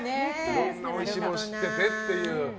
いろんなおいしいものを知っててという。